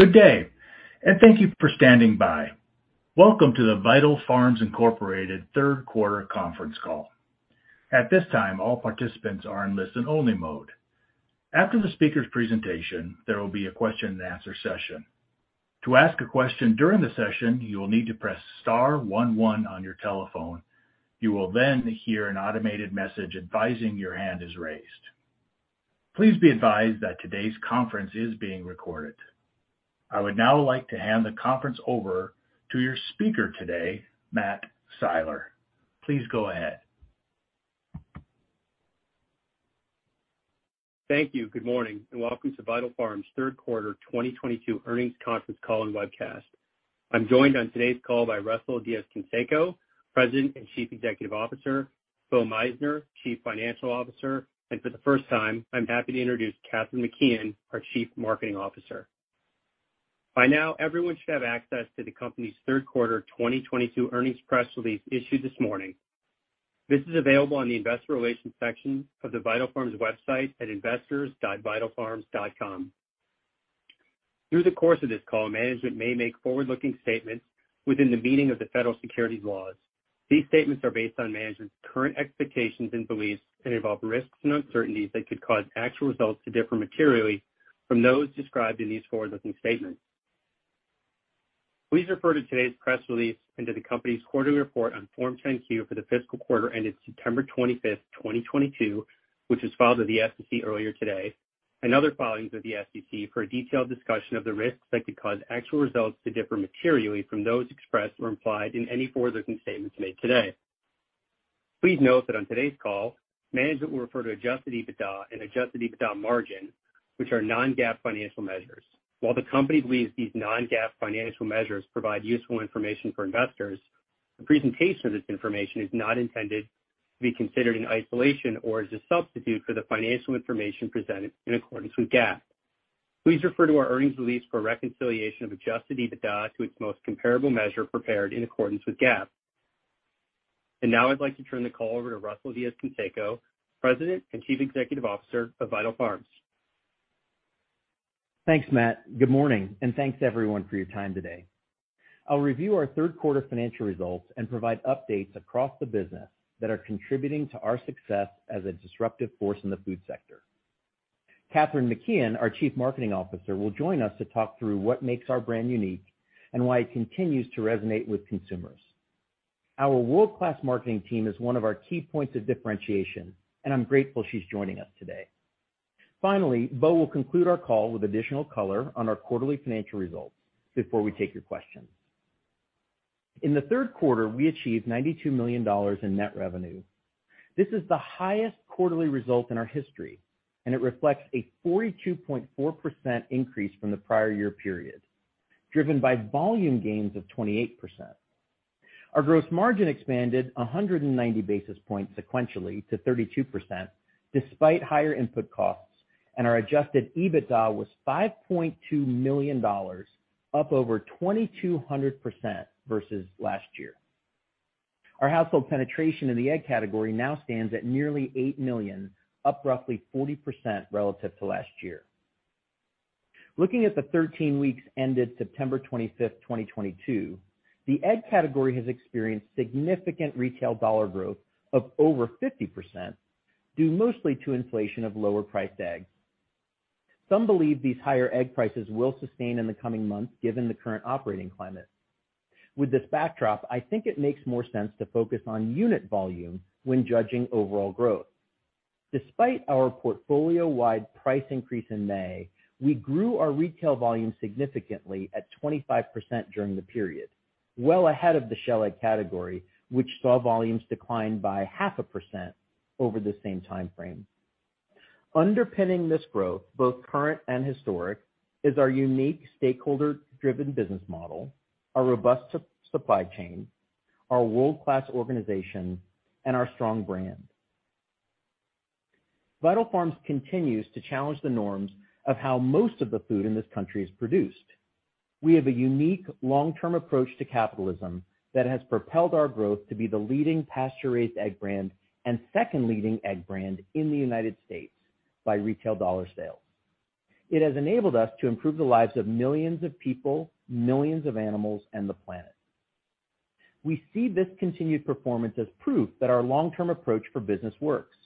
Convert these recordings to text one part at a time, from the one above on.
Good day, and thank you for standing by. Welcome to the Vital Farms, Inc. third quarter conference call. At this time, all participants are in listen-only mode. After the speaker's presentation, there will be a question-and-answer session. To ask a question during the session, you will need to press star one one on your telephone. You will then hear an automated message advising that your hand is raised. Please be advised that today's conference is being recorded. I would now like to hand the conference over to your speaker today, Matt Siler. Please go ahead. Thank you. Good morning, and welcome to Vital Farms' third quarter 2022 earnings conference call and webcast. I'm joined on today's call by Russell Diez-Canseco, President and Chief Executive Officer, Bo Meissner, Chief Financial Officer, and for the first time, I'm happy to introduce Kathryn McKeon, our Chief Marketing Officer. By now, everyone should have access to the company's third quarter 2022 earnings press release issued this morning. This is available on the investor relations section of the Vital Farms website at investors.vitalfarms.com. Through the course of this call, management may make forward-looking statements within the meaning of the federal securities laws. These statements are based on management's current expectations and beliefs and involve risks and uncertainties that could cause actual results to differ materially from those described in these forward-looking statements. Please refer to today's press release and to the company's quarterly report on Form 10-Q for the fiscal quarter ended September 25th, 2022, which was filed with the SEC earlier today, and other filings with the SEC for a detailed discussion of the risks that could cause actual results to differ materially from those expressed or implied in any forward-looking statements made today. Please note that on today's call, management will refer to adjusted EBITDA and adjusted EBITDA margin, which are non-GAAP financial measures. While the company believes these non-GAAP financial measures provide useful information for investors, the presentation of this information is not intended to be considered in isolation or as a substitute for the financial information presented in accordance with GAAP. Please refer to our earnings release for a reconciliation of adjusted EBITDA to its most comparable measure prepared in accordance with GAAP. Now I'd like to turn the call over to Russell Diez-Canseco, President and Chief Executive Officer of Vital Farms. Thanks, Matt. Good morning, and thanks everyone for your time today. I'll review our third quarter financial results and provide updates across the business that are contributing to our success as a disruptive force in the food sector. Kathryn McKeon, our Chief Marketing Officer, will join us to talk through what makes our brand unique and why it continues to resonate with consumers. Our world-class marketing team is one of our key points of differentiation, and I'm grateful she's joining us today. Finally, Bo will conclude our call with additional color on our quarterly financial results before we take your questions. In the third quarter, we achieved $92 million in net revenue. This is the highest quarterly result in our history, and it reflects a 42.4% increase from the prior year period, driven by volume gains of 28%. Our gross margin expanded 190 basis points sequentially to 32% despite higher input costs, and our adjusted EBITDA was $5.2 million, up over 2,200% versus last year. Our household penetration in the egg category now stands at nearly 8 million, up roughly 40% relative to last year. Looking at the 13 weeks ended September 25th, 2022, the egg category has experienced significant retail dollar growth of over 50%, due mostly to inflation of lower-priced eggs. Some believe these higher egg prices will sustain in the coming months given the current operating climate. With this backdrop, I think it makes more sense to focus on unit volume when judging overall growth. Despite our portfolio-wide price increase in May, we grew our retail volume significantly at 25% during the period, well ahead of the shell egg category, which saw volumes decline by 0.5% over the same timeframe. Underpinning this growth, both current and historic, is our unique stakeholder-driven business model, our robust supply chain, our world-class organization, and our strong brand. Vital Farms continues to challenge the norms of how most of the food in this country is produced. We have a unique long-term approach to capitalism that has propelled our growth to be the leading pasture-raised egg brand and second leading egg brand in the United States by retail dollar sales. It has enabled us to improve the lives of millions of people, millions of animals, and the planet. We see this continued performance as proof that our long-term approach for business works.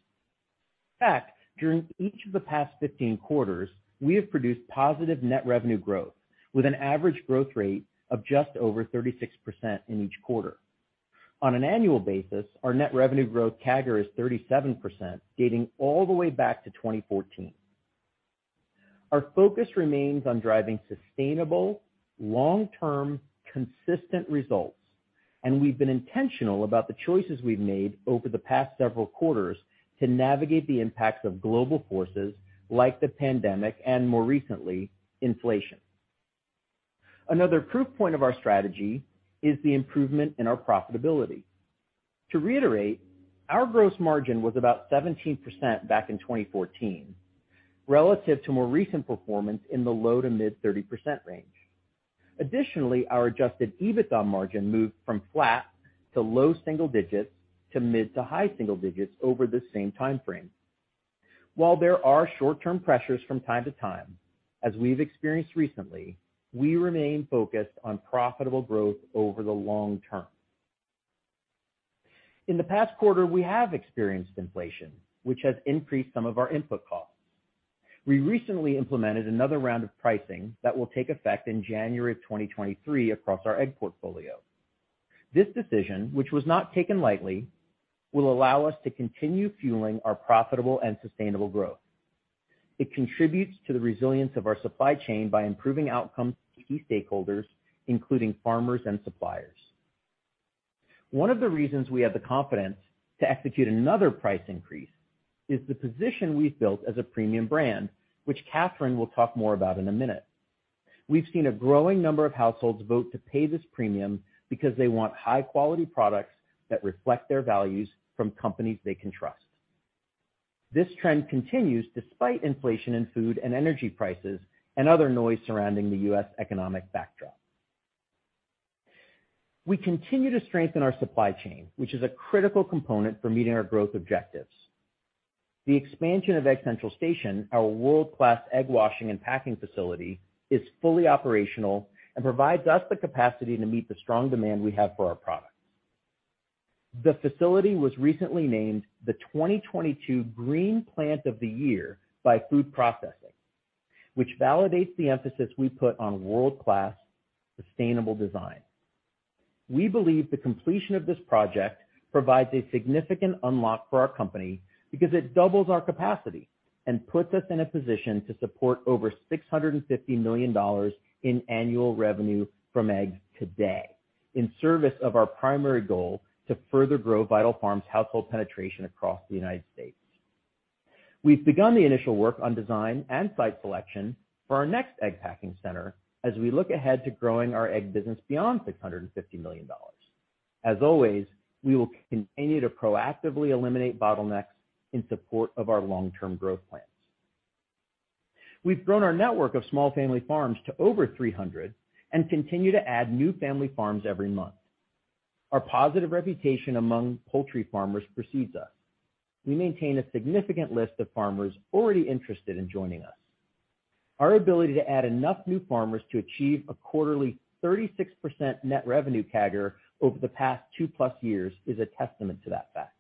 In fact, during each of the past 15 quarters, we have produced positive net revenue growth with an average growth rate of just over 36% in each quarter. On an annual basis, our net revenue growth CAGR is 37%, dating all the way back to 2014. Our focus remains on driving sustainable, long-term, consistent results, and we've been intentional about the choices we've made over the past several quarters to navigate the impacts of global forces like the pandemic and, more recently, inflation. Another proof point of our strategy is the improvement in our profitability. To reiterate, our gross margin was about 17% back in 2014, relative to more recent performance in the low- to mid-30% range. Additionally, our adjusted EBITDA margin moved from flat to low-single-digits to mid- to high-single-digits over the same timeframe. While there are short-term pressures from time to time, as we've experienced recently, we remain focused on profitable growth over the long term. In the past quarter, we have experienced inflation, which has increased some of our input costs. We recently implemented another round of pricing that will take effect in January of 2023 across our egg portfolio. This decision, which was not taken lightly, will allow us to continue fueling our profitable and sustainable growth. It contributes to the resilience of our supply chain by improving outcomes to key stakeholders, including farmers and suppliers. One of the reasons we have the confidence to execute another price increase is the position we've built as a premium brand, which Kathryn will talk more about in a minute. We've seen a growing number of households vote to pay this premium because they want high-quality products that reflect their values from companies they can trust. This trend continues despite inflation in food and energy prices and other noise surrounding the U.S. economic backdrop. We continue to strengthen our supply chain, which is a critical component for meeting our growth objectives. The expansion of Egg Central Station, our world-class egg washing and packing facility, is fully operational and provides us the capacity to meet the strong demand we have for our products. The facility was recently named the 2022 Green Plant of the Year by Food Processing, which validates the emphasis we put on world-class sustainable design. We believe the completion of this project provides a significant unlock for our company because it doubles our capacity and puts us in a position to support over $650 million in annual revenue from eggs today in service of our primary goal to further grow Vital Farms' household penetration across the United States. We've begun the initial work on design and site selection for our next egg packing center as we look ahead to growing our egg business beyond $650 million. As always, we will continue to proactively eliminate bottlenecks in support of our long-term growth plans. We've grown our network of small family farms to over 300 and continue to add new family farms every month. Our positive reputation among poultry farmers precedes us. We maintain a significant list of farmers already interested in joining us. Our ability to add enough new farmers to achieve a quarterly 36% net revenue CAGR over the past 2+ years is a testament to that fact.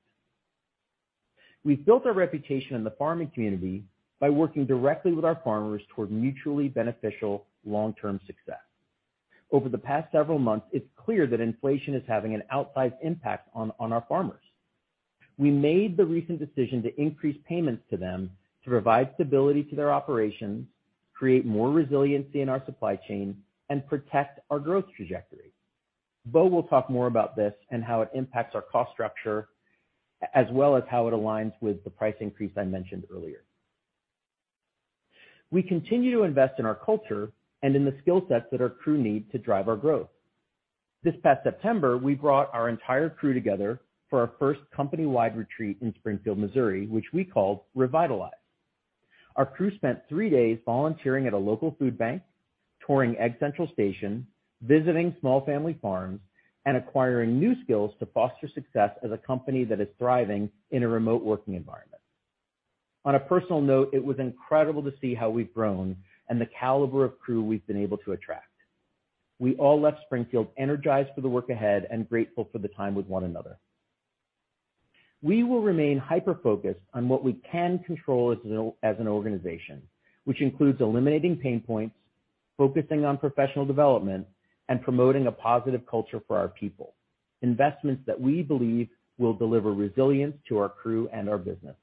We've built our reputation in the farming community by working directly with our farmers toward mutually beneficial long-term success. Over the past several months, it's clear that inflation is having an outsized impact on our farmers. We made the recent decision to increase payments to them to provide stability to their operations, create more resiliency in our supply chain, and protect our growth trajectory. Bo will talk more about this and how it impacts our cost structure, as well as how it aligns with the price increase I mentioned earlier. We continue to invest in our culture and in the skill sets that our crew need to drive our growth. This past September, we brought our entire crew together for our first company-wide retreat in Springfield, Missouri, which we called reVITALize. Our crew spent three days volunteering at a local food bank, touring Egg Central Station, visiting small family farms, and acquiring new skills to foster success as a company that is thriving in a remote working environment. On a personal note, it was incredible to see how we've grown and the caliber of crew we've been able to attract. We all left Springfield energized for the work ahead and grateful for the time with one another. We will remain hyper-focused on what we can control as an organization, which includes eliminating pain points, focusing on professional development, and promoting a positive culture for our people, investments that we believe will deliver resilience to our crew and our business.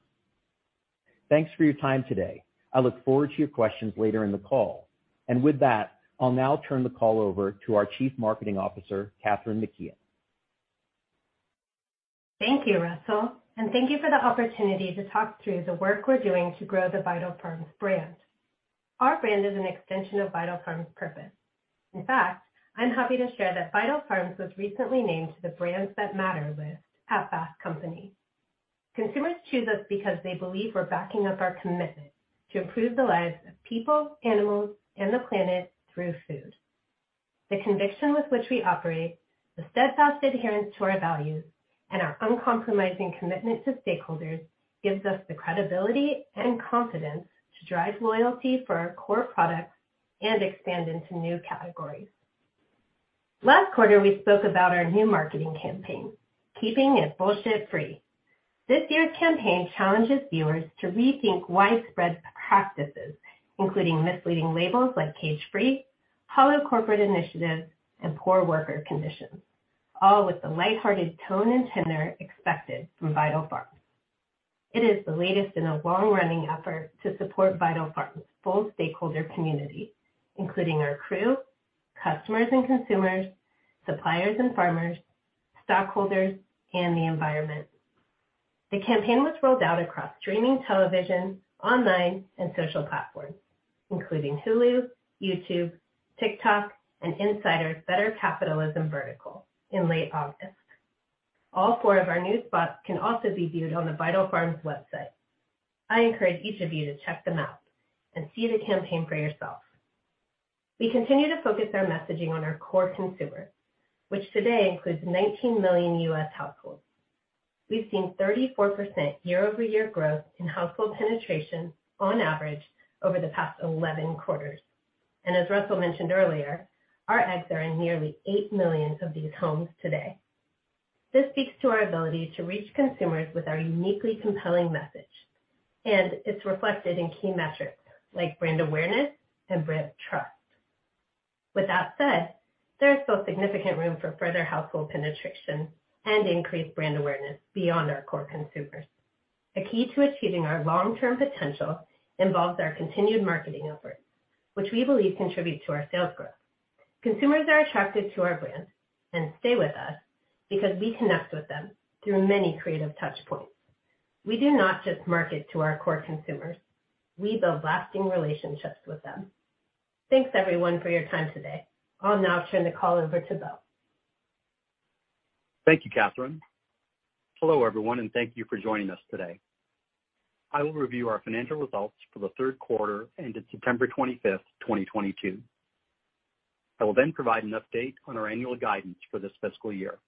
Thanks for your time today. I look forward to your questions later in the call. With that, I'll now turn the call over to our Chief Marketing Officer, Kathryn McKeon. Thank you, Russell, and thank you for the opportunity to talk through the work we're doing to grow the Vital Farms brand. Our brand is an extension of Vital Farms' purpose. In fact, I'm happy to share that Vital Farms was recently named to the Brands That Matter list at Fast Company. Consumers choose us because they believe we're backing up our commitment to improve the lives of people, animals, and the planet through food. The conviction with which we operate, the steadfast adherence to our values, and our uncompromising commitment to stakeholders gives us the credibility and confidence to drive loyalty for our core products and expand into new categories. Last quarter, we spoke about our new marketing campaign, Keeping It Bullshit-Free. This year's campaign challenges viewers to rethink widespread practices, including misleading labels like cage-free, hollow corporate initiatives, and poor worker conditions, all with the lighthearted tone and tenor expected from Vital Farms. It is the latest in a long-running effort to support Vital Farms' full stakeholder community, including our crew, customers and consumers, suppliers and farmers, stockholders, and the environment. The campaign was rolled out across streaming television, online, and social platforms, including Hulu, YouTube, TikTok, and Insider's Better Capitalism vertical in late August. All four of our new spots can also be viewed on the Vital Farms website. I encourage each of you to check them out and see the campaign for yourself. We continue to focus our messaging on our core consumer, which today includes 19 million U.S. households. We've seen 34% year-over-year growth in household penetration on average over the past 11 quarters. As Russell mentioned earlier, our eggs are in nearly 8 million of these homes today. This speaks to our ability to reach consumers with our uniquely compelling message, and it's reflected in key metrics like brand awareness and brand trust. With that said, there is still significant room for further household penetration and increased brand awareness beyond our core consumers. The key to achieving our long-term potential involves our continued marketing efforts, which we believe contribute to our sales growth. Consumers are attracted to our brands and stay with us because we connect with them through many creative touch points. We do not just market to our core consumers, we build lasting relationships with them. Thanks, everyone, for your time today. I'll now turn the call over to Bo. Thank you, Kathryn. Hello, everyone, and thank you for joining us today. I will review our financial results for the third quarter ended September 25th, 2022. I will then provide an update on our annual guidance for this fiscal year.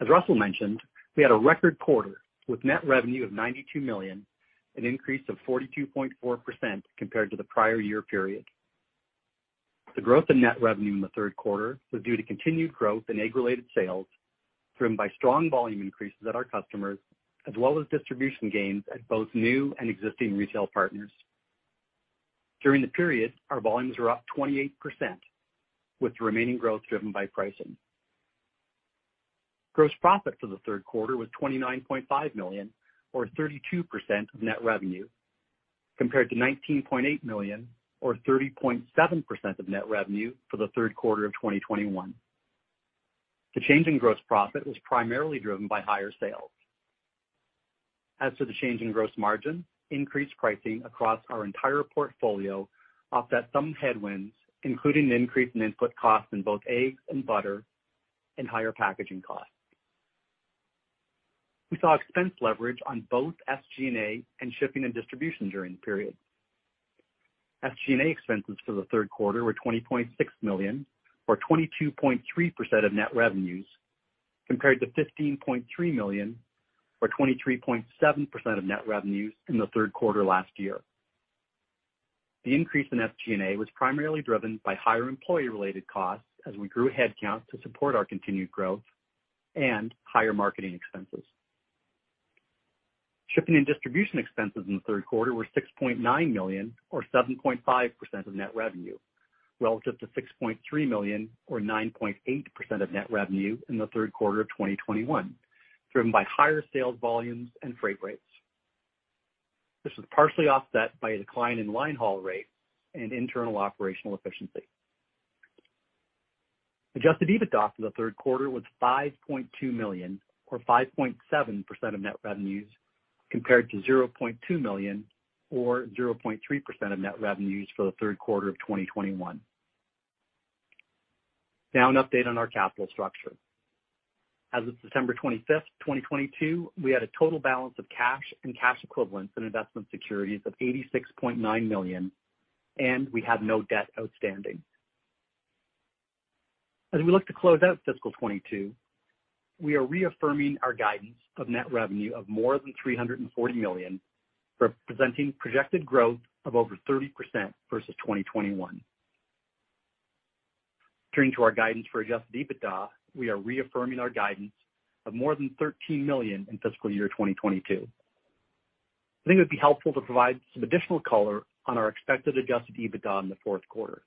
As Russell mentioned, we had a record quarter with net revenue of $92 million, an increase of 42.4% compared to the prior year period. The growth in net revenue in the third quarter was due to continued growth in egg-related sales, driven by strong volume increases at our customers, as well as distribution gains at both new and existing retail partners. During the period, our volumes were up 28%, with the remaining growth driven by pricing. Gross profit for the third quarter was $29.5 million or 32% of net revenue, compared to $19.8 million or 30.7% of net revenue for the third quarter of 2021. The change in gross profit was primarily driven by higher sales. As to the change in gross margin, increased pricing across our entire portfolio offset some headwinds, including an increase in input costs in both eggs and butter and higher packaging costs. We saw expense leverage on both SG&A and shipping and distribution during the period. SG&A expenses for the third quarter were $20.6 million or 22.3% of net revenues, compared to $15.3 million or 23.7% of net revenues in the third quarter last year. The increase in SG&A was primarily driven by higher employee-related costs as we grew headcount to support our continued growth and higher marketing expenses. Shipping and distribution expenses in the third quarter were $6.9 million or 7.5% of net revenue, relative to $6.3 million or 9.8% of net revenue in the third quarter of 2021, driven by higher sales volumes and freight rates. This was partially offset by a decline in line haul rate and internal operational efficiency. Adjusted EBITDA for the third quarter was $5.2 million or 5.7% of net revenues, compared to $0.2 million or 0.3% of net revenues for the third quarter of 2021. Now an update on our capital structure. As of September 25, 2022, we had a total balance of cash and cash equivalents in investment securities of $86.9 million, and we have no debt outstanding. As we look to close out fiscal 2022, we are reaffirming our guidance of net revenue of more than $340 million, representing projected growth of over 30% versus 2021. Turning to our guidance for adjusted EBITDA, we are reaffirming our guidance of more than $13 million in fiscal year 2022. I think it would be helpful to provide some additional color on our expected adjusted EBITDA in the fourth quarter.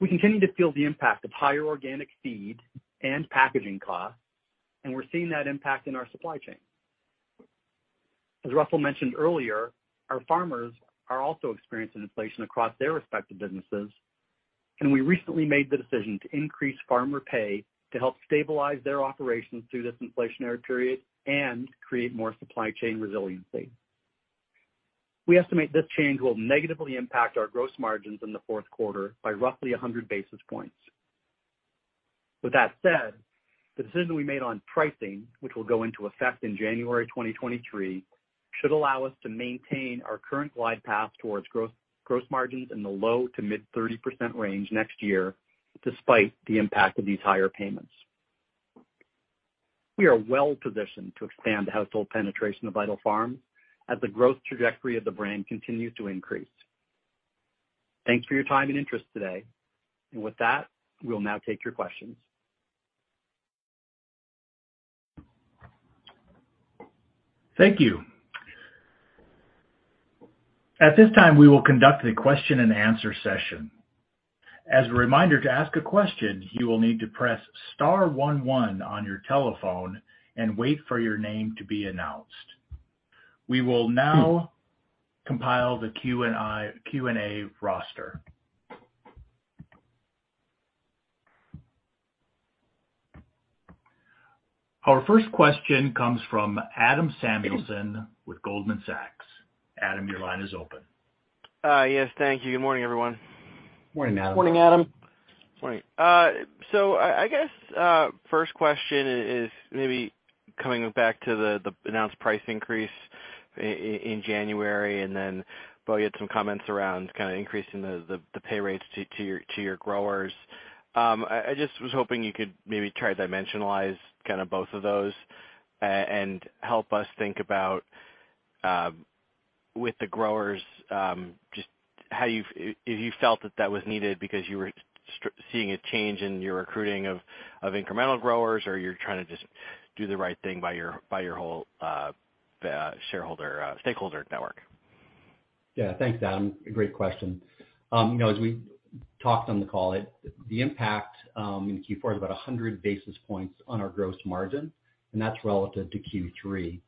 We continue to feel the impact of higher organic feed and packaging costs, and we're seeing that impact in our supply chain. As Russell mentioned earlier, our farmers are also experiencing inflation across their respective businesses, and we recently made the decision to increase farmer pay to help stabilize their operations through this inflationary period and create more supply chain resiliency. We estimate this change will negatively impact our gross margins in the fourth quarter by roughly 100 basis points. With that said, the decision we made on pricing, which will go into effect in January 2023, should allow us to maintain our current glide path towards growth, gross margins in the low-to-mid 30% range next year, despite the impact of these higher payments. We are well-positioned to expand the household penetration of Vital Farms as the growth trajectory of the brand continues to increase. Thanks for your time and interest today. With that, we'll now take your questions. Thank you. At this time, we will conduct a question and answer session. As a reminder, to ask a question, you will need to press star one one on your telephone and wait for your name to be announced. We will now compile the Q&A roster. Our first question comes from Adam Samuelson with Goldman Sachs. Adam, your line is open. Yes, thank you. Good morning, everyone. Morning, Adam. Right. I guess first question is maybe coming back to the announced price increase in January and then Bo, you had some comments around kind of increasing the pay rates to your growers. I just was hoping you could maybe try to dimensionalize kind of both of those and help us think about with the growers just how you've if you felt that was needed because you were seeing a change in your recruiting of incremental growers, or you're trying to just do the right thing by your whole shareholder stakeholder network. Yeah. Thanks, Adam. Great question. You know, as we talked on the call, the impact in Q4 is about 100 basis points on our gross margin, and that's relative to Q3.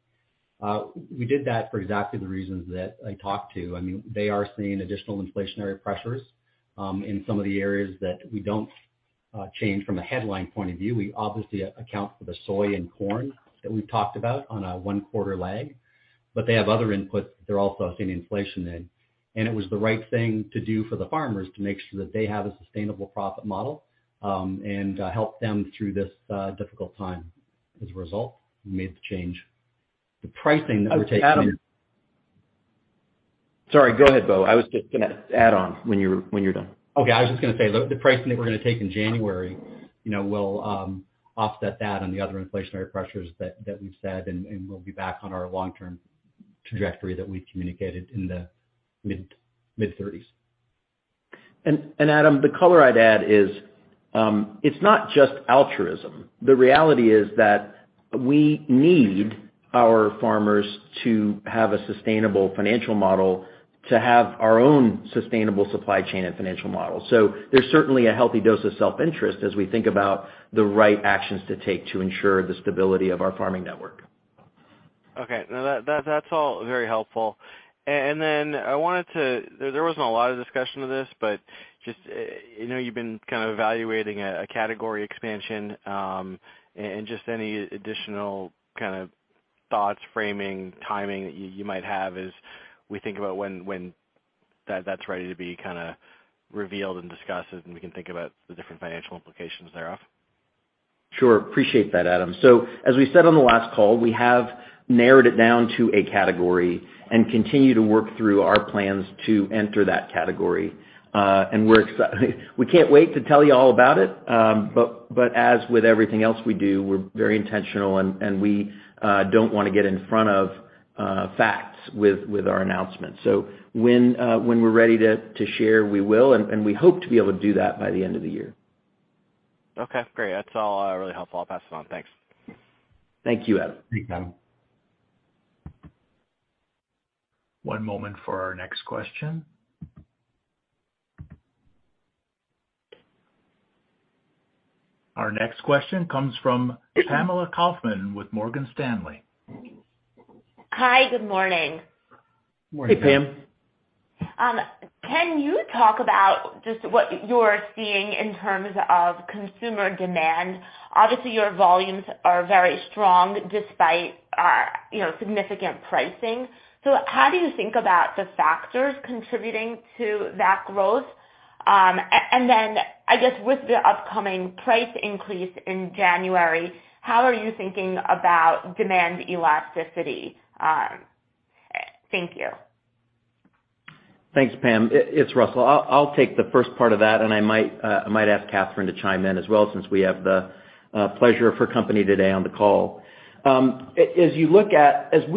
We did that for exactly the reasons that I talked to. I mean, they are seeing additional inflationary pressures in some of the areas that we don't change from a headline point of view. We obviously account for the soy and corn that we've talked about on a one quarter lag, but they have other inputs that they're also seeing inflation in. It was the right thing to do for the farmers to make sure that they have a sustainable profit model, and help them through this difficult time. As a result, we made the change. The pricing that we're taking Adam. Sorry, go ahead, Bo. I was just gonna add on when you're done. Okay. I was just gonna say, the pricing that we're gonna take in January, you know, will offset that and the other inflationary pressures that we've said, and we'll be back on our long-term trajectory that we've communicated in the mid-30s. Adam, the color I'd add is, it's not just altruism. The reality is that we need our farmers to have a sustainable financial model to have our own sustainable supply chain and financial model. There's certainly a healthy dose of self-interest as we think about the right actions to take to ensure the stability of our farming network. Okay. No, that's all very helpful. There wasn't a lot of discussion of this, but just, you know, you've been kind of evaluating a category expansion, and just any additional kind of thoughts, framing, timing that you might have as we think about when that's ready to be kinda revealed and discussed, and we can think about the different financial implications thereof. Sure. Appreciate that, Adam. As we said on the last call, we have narrowed it down to a category and continue to work through our plans to enter that category. We can't wait to tell you all about it. But as with everything else we do, we're very intentional and we don't wanna get in front of facts with our announcement. When we're ready to share, we will and we hope to be able to do that by the end of the year. Okay, great. That's all, really helpful. I'll pass it on. Thanks. Thank you, Adam. Thanks, Adam. One moment for our next question. Our next question comes from Pamela Kaufman with Morgan Stanley. Hi. Good morning. Morning, Pam. Can you talk about just what you're seeing in terms of consumer demand? Obviously, your volumes are very strong despite, you know, significant pricing. How do you think about the factors contributing to that growth? I guess with the upcoming price increase in January, how are you thinking about demand elasticity? Thank you. Thanks, Pam. It's Russell. I'll take the first part of that, and I might ask Kathryn to chime in as well since we have the pleasure of her company today on the call. As we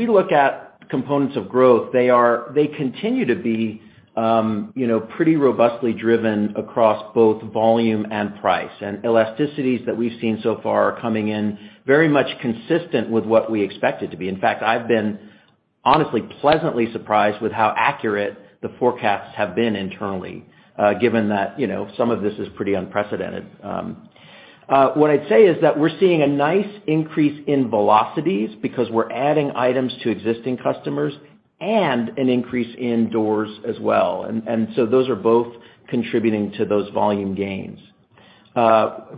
look at components of growth, they continue to be, you know, pretty robustly driven across both volume and price. Elasticities that we've seen so far are coming in very much consistent with what we expect it to be. In fact, I've been honestly pleasantly surprised with how accurate the forecasts have been internally, given that, you know, some of this is pretty unprecedented. What I'd say is that we're seeing a nice increase in velocities because we're adding items to existing customers and an increase in doors as well. Those are both contributing to those volume gains.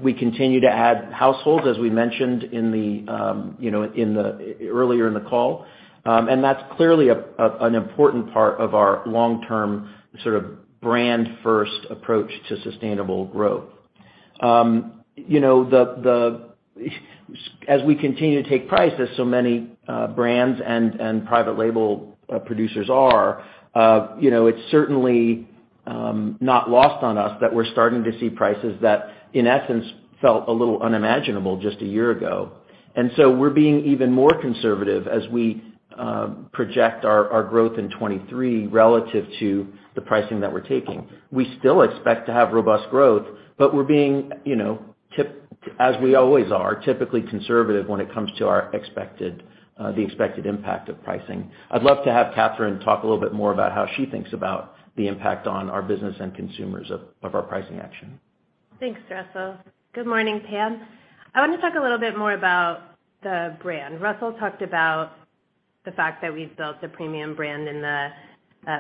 We continue to add households, as we mentioned earlier in the call. That's clearly an important part of our long-term brand first approach to sustainable growth. As we continue to take prices, so many brands and private label producers are, you know, it's certainly not lost on us that we're starting to see prices that, in essence, felt a little unimaginable just a year ago. We're being even more conservative as we project our growth in 2023 relative to the pricing that we're taking. We still expect to have robust growth, but we're being, you know, as we always are, typically conservative when it comes to the expected impact of pricing. I'd love to have Kathryn talk a little bit more about how she thinks about the impact on our business and consumers of our pricing action. Thanks, Russell. Good morning, Pam. I wanna talk a little bit more about the brand. Russell talked about the fact that we've built a premium brand in the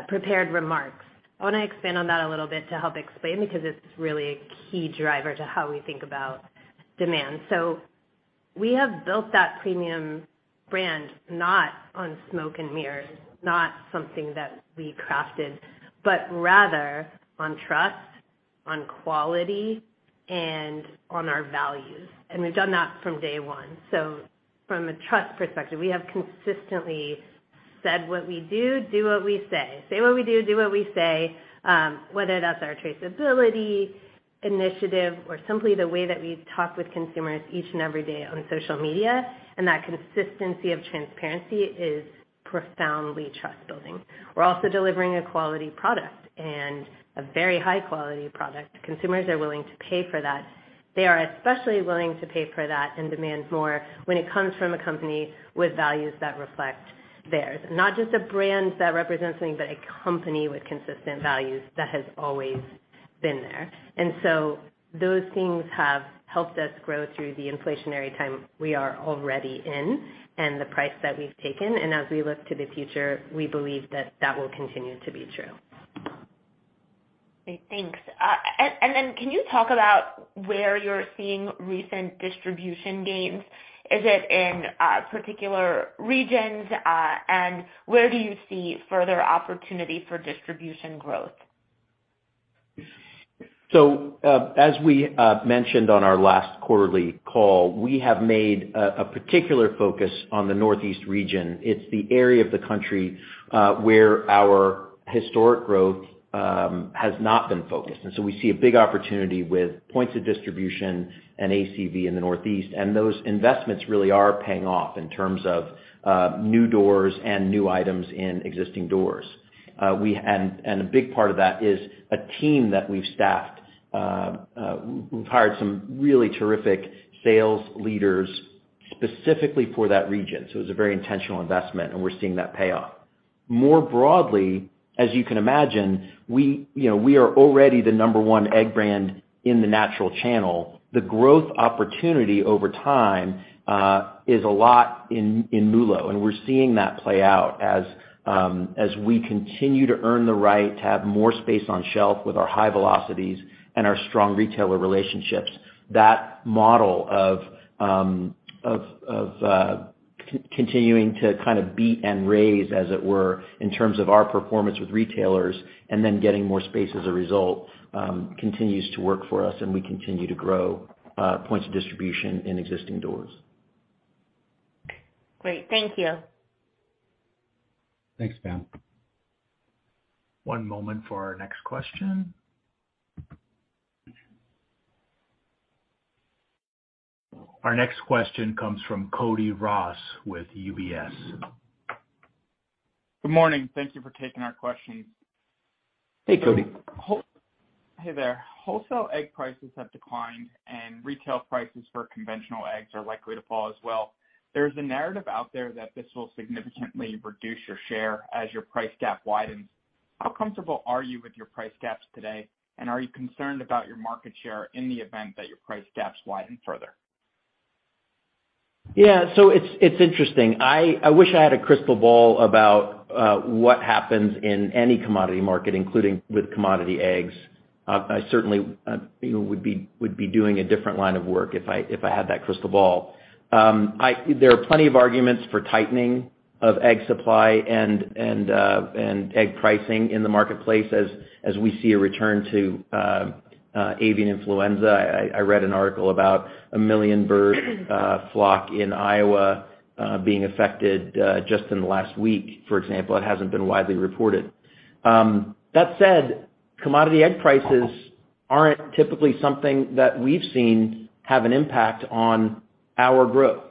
prepared remarks. I wanna expand on that a little bit to help explain because it's really a key driver to how we think about demand. We have built that premium brand not on smoke and mirrors, not something that we crafted, but rather on trust, on quality, and on our values. We've done that from day one. From a trust perspective, we have consistently said what we do what we say. Say what we do what we say, whether that's our traceability initiative or simply the way that we talk with consumers each and every day on social media, and that consistency of transparency is profoundly trust building. We're also delivering a quality product and a very high-quality product. Consumers are willing to pay for that. They are especially willing to pay for that and demand more when it comes from a company with values that reflect theirs. Not just a brand that represents something, but a company with consistent values that has always been there. Those things have helped us grow through the inflationary time we are already in and the price that we've taken and as we look to the future, we believe that that will continue to be true. Okay, thanks. Then can you talk about where you're seeing recent distribution gains? Is it in particular regions? Where do you see further opportunity for distribution growth? As we mentioned on our last quarterly call, we have made a particular focus on the Northeast region. It's the area of the country where our historic growth has not been focused. We see a big opportunity with points of distribution and ACV in the Northeast, and those investments really are paying off in terms of new doors and new items in existing doors. A big part of that is a team that we've staffed. We've hired some really terrific sales leaders specifically for that region. It was a very intentional investment, and we're seeing that pay off. More broadly, as you can imagine, we, you know, we are already the number one egg brand in the natural channel. The growth opportunity over time is a lot in MULO, and we're seeing that play out as we continue to earn the right to have more space on shelf with our high velocities and our strong retailer relationships. That model of continuing to kind of beat and raise, as it were, in terms of our performance with retailers and then getting more space as a result continues to work for us and we continue to grow points of distribution in existing doors. Great. Thank you. Thanks, Pam. One moment for our next question. Our next question comes from Cody Ross with UBS. Good morning. Thank you for taking our questions. Hey, Cody. Hey there. Wholesale egg prices have declined and retail prices for conventional eggs are likely to fall as well. There's a narrative out there that this will significantly reduce your share as your price gap widens. How comfortable are you with your price gaps today, and are you concerned about your market share in the event that your price gaps widen further? Yeah. It's interesting. I wish I had a crystal ball about what happens in any commodity market, including with commodity eggs. I certainly, you know, would be doing a different line of work if I had that crystal ball. There are plenty of arguments for tightening of egg supply and egg pricing in the marketplace as we see a return to avian influenza. I read an article about a 1 million-bird flock in Iowa being affected just in the last week, for example. It hasn't been widely reported. That said, commodity egg prices aren't typically something that we've seen have an impact on our growth.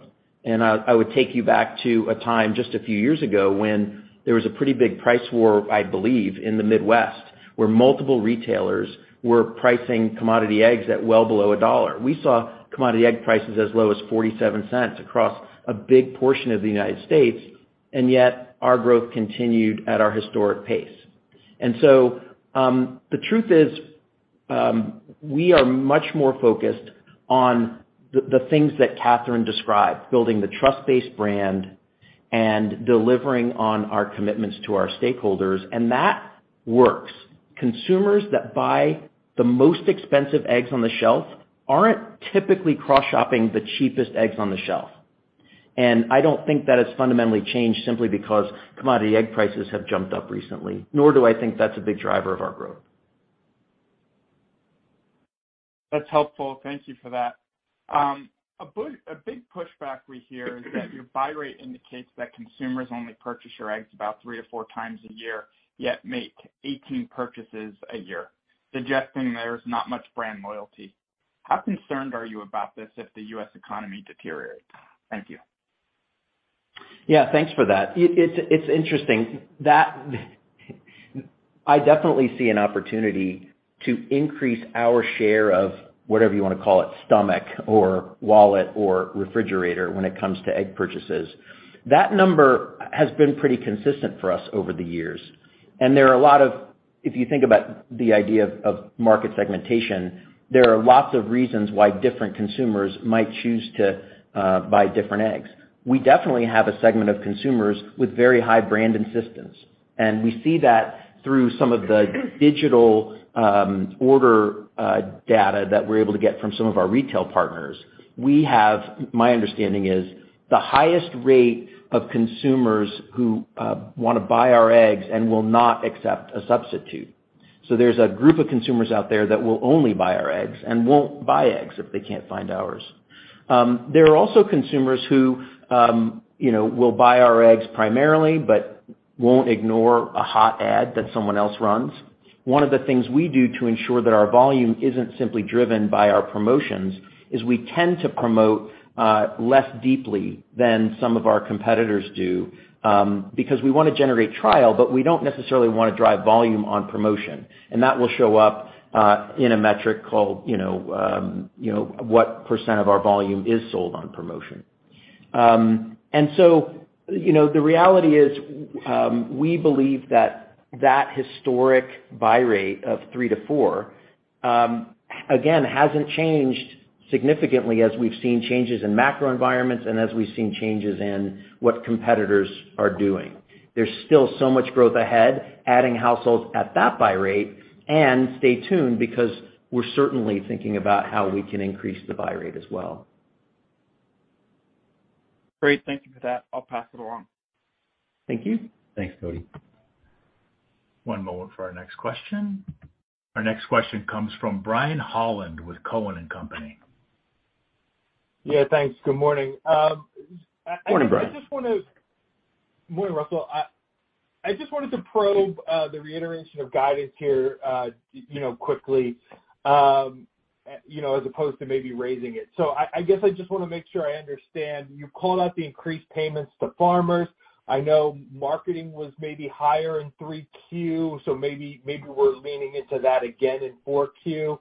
I would take you back to a time just a few years ago when there was a pretty big price war, I believe, in the Midwest, where multiple retailers were pricing commodity eggs at well below a dollar. We saw commodity egg prices as low as $0.47 across a big portion of the United States, and yet our growth continued at our historic pace. The truth is, we are much more focused on the things that Kathryn described, building the trust-based brand and delivering on our commitments to our stakeholders, and that works. Consumers that buy the most expensive eggs on the shelf aren't typically cross-shopping the cheapest eggs on the shelf. I don't think that has fundamentally changed simply because commodity egg prices have jumped up recently, nor do I think that's a big driver of our growth. That's helpful. Thank you for that. A big pushback we hear is that your buy rate indicates that consumers only purchase your eggs about 3 to 4 times a year, yet make 18 purchases a year, suggesting there's not much brand loyalty. How concerned are you about this if the U.S. economy deteriorates? Thank you. Yeah, thanks for that. It's interesting. I definitely see an opportunity to increase our share of whatever you wanna call it, stomach or wallet or refrigerator when it comes to egg purchases. That number has been pretty consistent for us over the years. There are a lot of. If you think about the idea of market segmentation, there are lots of reasons why different consumers might choose to buy different eggs. We definitely have a segment of consumers with very high brand insistence. We see that through some of the digital order data that we're able to get from some of our retail partners. We have, my understanding is, the highest rate of consumers who wanna buy our eggs and will not accept a substitute. There's a group of consumers out there that will only buy our eggs and won't buy eggs if they can't find ours. There are also consumers who, you know, will buy our eggs primarily, but won't ignore a hot ad that someone else runs. One of the things we do to ensure that our volume isn't simply driven by our promotions is we tend to promote less deeply than some of our competitors do, because we wanna generate trial, but we don't necessarily wanna drive volume on promotion. That will show up in a metric called, you know, what percent of our volume is sold on promotion. You know, the reality is, we believe that historic buy rate of 3 to 4, again, hasn't changed significantly as we've seen changes in macro environments and as we've seen changes in what competitors are doing. There's still so much growth ahead, adding households at that buy rate, and stay tuned because we're certainly thinking about how we can increase the buy rate as well. Great. Thank you for that. I'll pass it along. Thank you. Thanks, Cody. One moment for our next question. Our next question comes from Brian Holland with Cowen and Company. Yeah, thanks. Good morning. I just wanna- Morning, Brian. Morning, Russell. I just wanted to probe the reiteration of guidance here, you know, quickly, as opposed to maybe raising it. I guess I just wanna make sure I understand. You called out the increased payments to farmers. I know marketing was maybe higher in 3Q, so maybe we're leaning into that again in 4Q.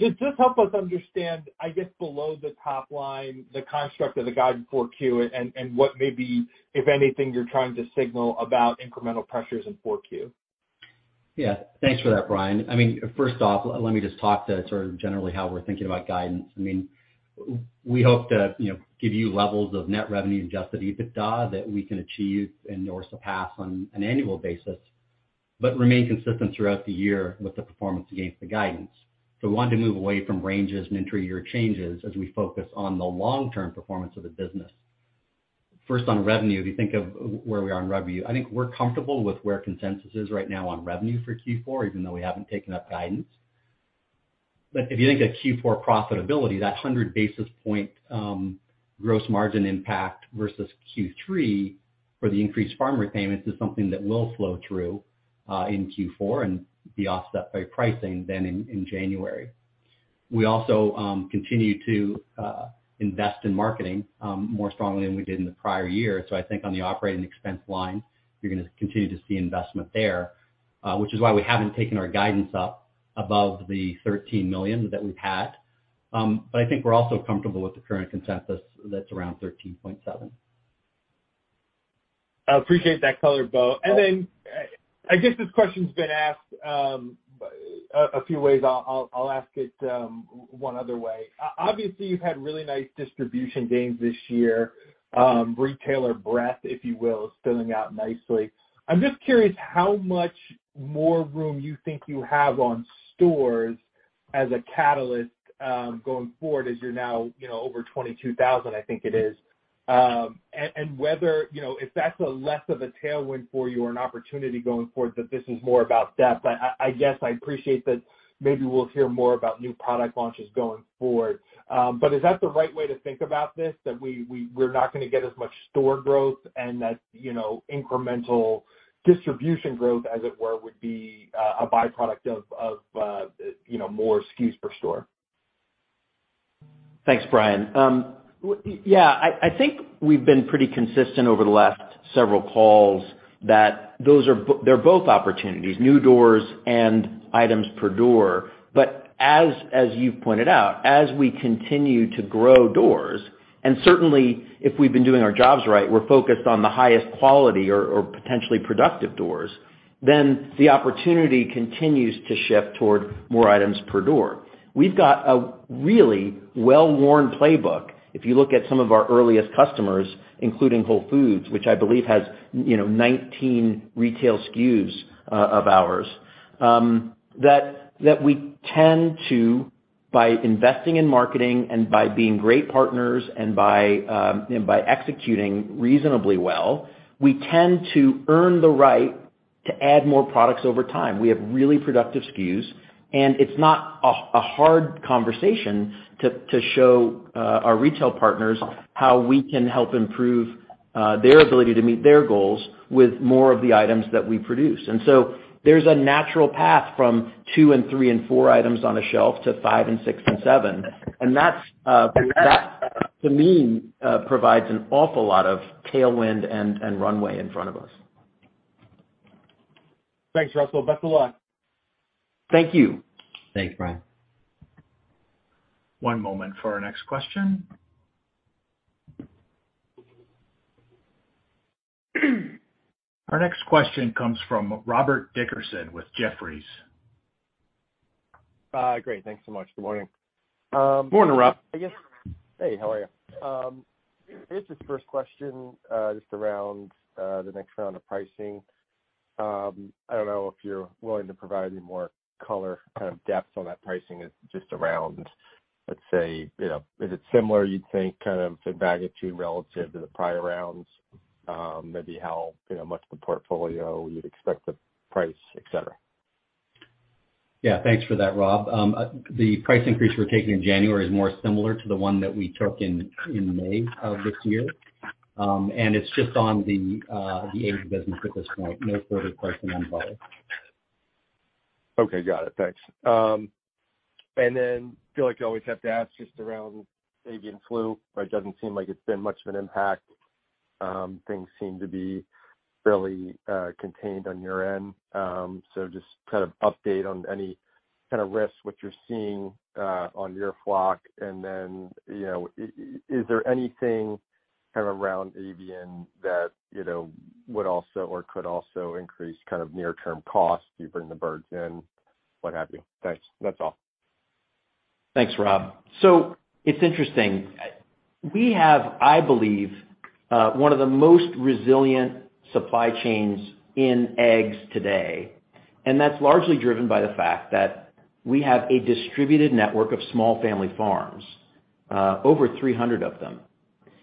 Just help us understand, I guess, below the top line, the construct of the guide in 4Q and what maybe, if anything, you're trying to signal about incremental pressures in 4Q. Yeah. Thanks for that, Brian. I mean, first off, let me just talk to sort of generally how we're thinking about guidance. I mean, we hope to, you know, give you levels of net revenue and adjusted EBITDA that we can achieve and/or surpass on an annual basis, but remain consistent throughout the year with the performance against the guidance. We wanted to move away from ranges and inter-year changes as we focus on the long-term performance of the business. First, on revenue, if you think of where we are on revenue, I think we're comfortable with where consensus is right now on revenue for Q4, even though we haven't taken up guidance. If you think of Q4 profitability, that 100 basis points gross margin impact versus Q3 for the increased farmer payments is something that will flow through in Q4 and be offset by pricing then in January. We also continue to invest in marketing more strongly than we did in the prior year. I think on the operating expense line, you're gonna continue to see investment there, which is why we haven't taken our guidance up above the $13 million that we've had. I think we're also comfortable with the current consensus that's around $13.7 million. I appreciate that color, Bo. I guess this question's been asked a few ways. I'll ask it one other way. Obviously, you've had really nice distribution gains this year, retailer breadth, if you will, filling out nicely. I'm just curious how much more room you think you have on stores as a catalyst going forward as you're now, you know, over 22,000, I think it is. Whether, you know, if that's less of a tailwind for you or an opportunity going forward, that this is more about depth. I guess I appreciate that maybe we'll hear more about new product launches going forward. Is that the right way to think about this? That we're not gonna get as much store growth and that, you know, incremental distribution growth, as it were, would be a byproduct of you know, more SKUs per store. Thanks, Brian. Yeah, I think we've been pretty consistent over the last several calls that those are both opportunities, new doors and items per door. As you pointed out, as we continue to grow doors, and certainly if we've been doing our jobs right, we're focused on the highest quality or potentially productive doors, then the opportunity continues to shift toward more items per door. We've got a really well-worn playbook. If you look at some of our earliest customers, including Whole Foods, which I believe has, you know, 19 retail SKUs of ours, that we tend to, by investing in marketing and by being great partners and by executing reasonably well, we tend to earn the right to add more products over time. We have really productive SKUs, and it's not a hard conversation to show our retail partners how we can help improve their ability to meet their goals with more of the items that we produce. There's a natural path from 2 and 3 and 4 items on a shelf to 5 and 6 and 7. That's, to me, provides an awful lot of tailwind and runway in front of us. Thanks, Russell. Best of luck. Thank you. Thanks, Brian. One moment for our next question. Our next question comes from Robert Dickerson with Jefferies. Great. Thanks so much. Good morning. Morning, Rob. I guess- Yeah, Rob. Hey, how are you? I guess just first question, just around the next round of pricing. I don't know if you're willing to provide any more color, kind of depth on that pricing. Let's say, you know, is it similar you'd think kind of in magnitude relative to the prior rounds? Maybe how, you know, much of the portfolio you'd expect to price, et cetera. Yeah. Thanks for that, Rob. The price increase we're taking in January is more similar to the one that we took in May of this year. It's just on the egg business at this point. No further pricing involved. Okay. Got it. Thanks. Feel like you always have to ask just around avian flu, but it doesn't seem like it's been much of an impact. Things seem to be fairly contained on your end. Just kind of update on any kinda risks, what you're seeing on your flock. You know, is there anything kind of around avian that, you know, would also or could also increase kind of near-term costs, you bring the birds in, what have you? Thanks. That's all. Thanks, Rob. It's interesting. We have, I believe, one of the most resilient supply chains in eggs today, and that's largely driven by the fact that we have a distributed network of small family farms, over 300 of them.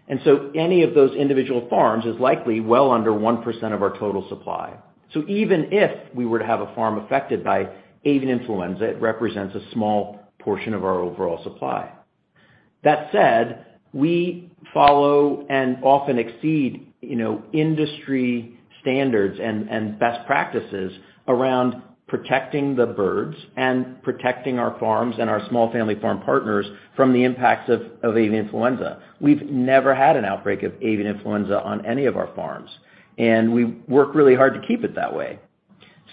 Any of those individual farms is likely well under 1% of our total supply. Even if we were to have a farm affected by avian influenza, it represents a small portion of our overall supply. That said, we follow and often exceed, you know, industry standards and best practices around protecting the birds and protecting our farms and our small family farm partners from the impacts of avian influenza. We've never had an outbreak of avian influenza on any of our farms, and we work really hard to keep it that way.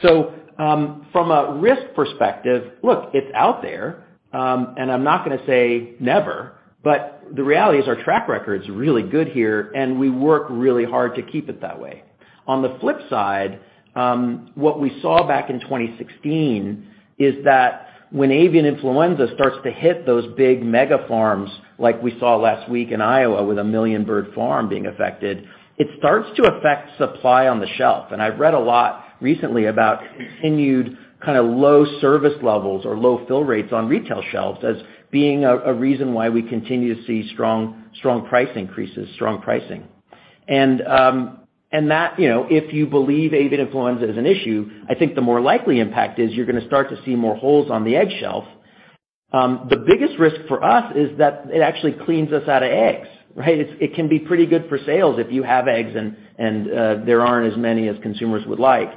From a risk perspective, look, it's out there, and I'm not gonna say never, but the reality is our track record's really good here, and we work really hard to keep it that way. On the flip side, what we saw back in 2016 is that when avian influenza starts to hit those big mega farms like we saw last week in Iowa with a 1 million-bird farm being affected, it starts to affect supply on the shelf. I've read a lot recently about continued kinda low service levels or low fill rates on retail shelves as being a reason why we continue to see strong price increases, strong pricing. That, you know, if you believe avian influenza is an issue, I think the more likely impact is you're gonna start to see more holes on the egg shelf. The biggest risk for us is that it actually cleans us out of eggs, right? It can be pretty good for sales if you have eggs and there aren't as many as consumers would like.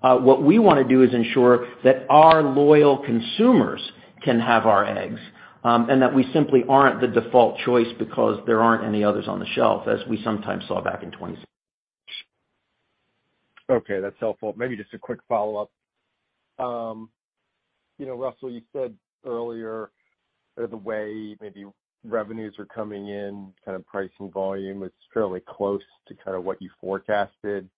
What we wanna do is ensure that our loyal consumers can have our eggs, and that we simply aren't the default choice because there aren't any others on the shelf, as we sometimes saw back in 2016. Okay. That's helpful. Maybe just a quick follow-up. You know, Russell, you said earlier the way maybe revenues are coming in, kind of pricing volume is fairly close to kind of what you forecasted.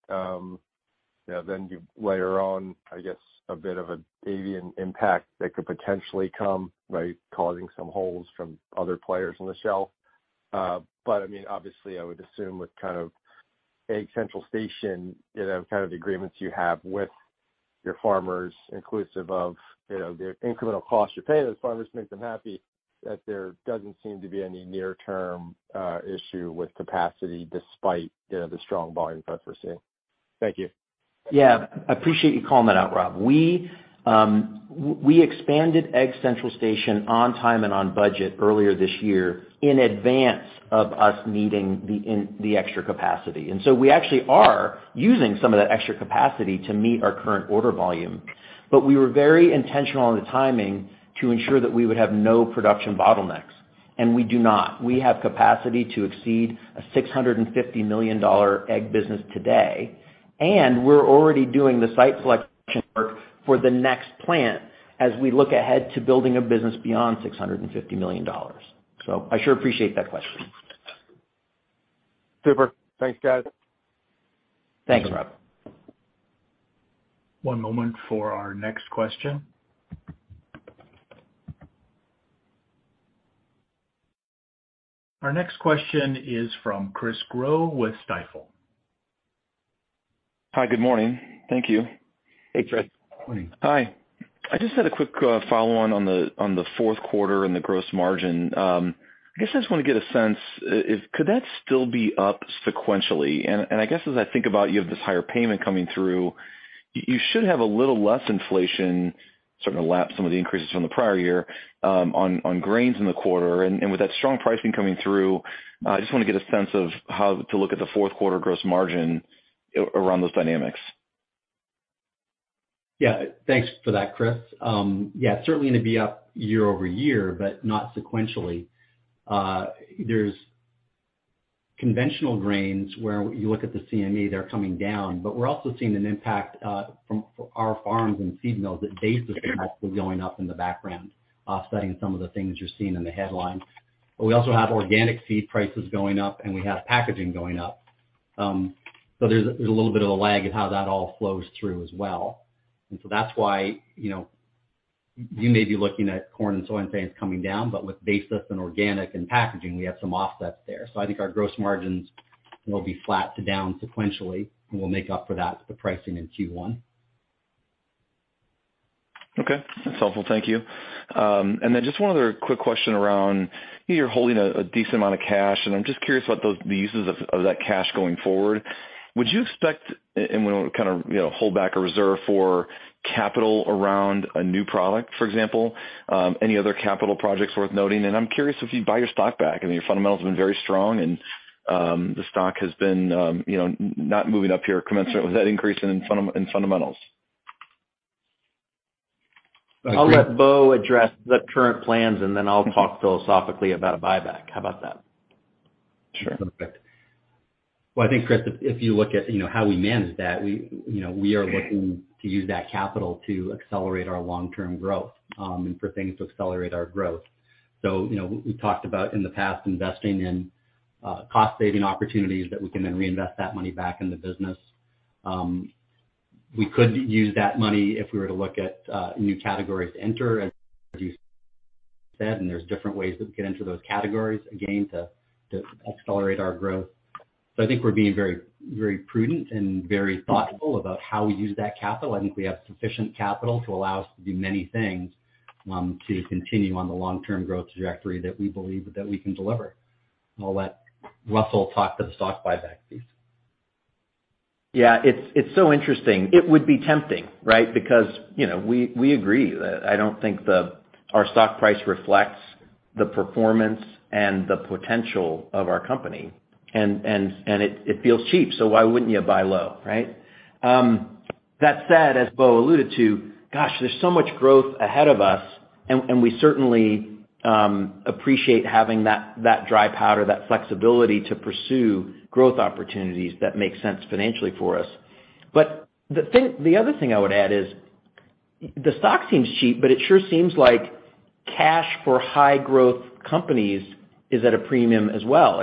You know, then you later on, I guess, a bit of an avian impact that could potentially come by causing some holes from other players on the shelf. But I mean, obviously, I would assume with kind of Egg Central Station, you know, kind of agreements you have with your farmers, inclusive of, you know, the incremental cost you pay those farmers to make them happy, that there doesn't seem to be any near-term issue with capacity despite, you know, the strong volume growth we're seeing. Thank you. Yeah. I appreciate you calling that out, Rob. We expanded Egg Central Station on time and on budget earlier this year in advance of us meeting the extra capacity. We actually are using some of that extra capacity to meet our current order volume. We were very intentional on the timing to ensure that we would have no production bottlenecks, and we do not. We have capacity to exceed a $650 million egg business today, and we're already doing the site selection work for the next plant as we look ahead to building a business beyond $650 million. I sure appreciate that question. Super. Thanks, guys. Thanks, Rob. One moment for our next question. Our next question is from Chris Growe with Stifel. Hi, good morning. Thank you. Hey, Chris. Hi. I just had a quick follow-on on the fourth quarter and the gross margin. I guess I just wanna get a sense, could that still be up sequentially? I guess as I think about you have this higher payment coming through, you should have a little less inflation starting to lap some of the increases from the prior year, on grains in the quarter. With that strong pricing coming through, I just wanna get a sense of how to look at the fourth quarter gross margin around those dynamics. Yeah. Thanks for that, Chris. Yeah, certainly gonna be up year over year, but not sequentially. There's conventional grains where you look at the CME, they're coming down, but we're also seeing an impact from our farms and feed mills that basis is actually going up in the background, offsetting some of the things you're seeing in the headlines. We also have organic feed prices going up, and we have packaging going up. There's a little bit of a lag in how that all flows through as well. That's why, you know, you may be looking at corn and soybeans coming down, but with basis and organic and packaging, we have some offsets there. I think our gross margins will be flat to down sequentially, and we'll make up for that with the pricing in Q1. Okay. That's helpful. Thank you. Then just one other quick question around, you know, you're holding a decent amount of cash, and I'm just curious about the uses of that cash going forward. Would you expect when we kind of, you know, hold back a reserve for capital around a new product, for example, any other capital projects worth noting? I'm curious if you'd buy your stock back. I mean, your fundamentals have been very strong and the stock has been, you know, not moving up here commensurate with that increase in fundamentals. I'll let Bo address the current plans, and then I'll talk philosophically about buyback. How about that? Sure. Okay. Well, I think, Chris, if you look at, you know, how we manage that, we, you know, we are looking to use that capital to accelerate our long-term growth, and for things to accelerate our growth. You know, we talked about in the past investing in, cost saving opportunities that we can then reinvest that money back in the business. We could use that money if we were to look at, new categories to enter, as you said, and there's different ways that we could enter those categories, again, to accelerate our growth. I think we're being very, very prudent and very thoughtful about how we use that capital. I think we have sufficient capital to allow us to do many things, to continue on the long-term growth trajectory that we believe that we can deliver. I'll let Russell talk to the stock buyback piece. Yeah. It's so interesting. It would be tempting, right? Because, you know, we agree that I don't think our stock price reflects the performance and the potential of our company. It feels cheap, so why wouldn't you buy low, right? That said, as Bo alluded to, gosh, there's so much growth ahead of us, and we certainly appreciate having that dry powder, that flexibility to pursue growth opportunities that make sense financially for us. The other thing I would add is the stock seems cheap, but it sure seems like cash for high growth companies is at a premium as well.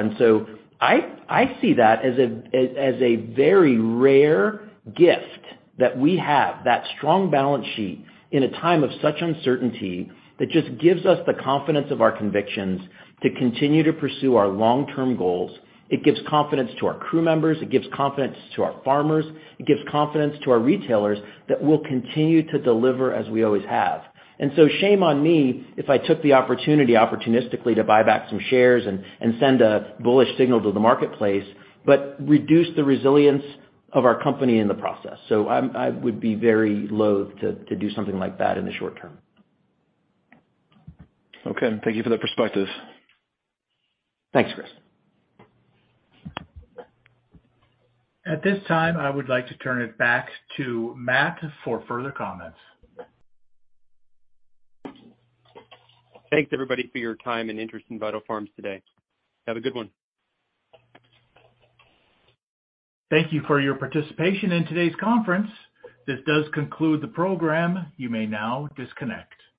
I see that as a very rare gift that we have, that strong balance sheet in a time of such uncertainty that just gives us the confidence of our convictions to continue to pursue our long-term goals. It gives confidence to our crew members. It gives confidence to our farmers. It gives confidence to our retailers that we'll continue to deliver as we always have. Shame on me if I took the opportunity opportunistically to buy back some shares and send a bullish signal to the marketplace, but reduce the resilience of our company in the process. I would be very loath to do something like that in the short term. Okay. Thank you for that perspective. Thanks, Chris. At this time, I would like to turn it back to Matt for further comments. Thanks, everybody, for your time and interest in Vital Farms today. Have a good one. Thank you for your participation in today's conference. This does conclude the program. You may now disconnect.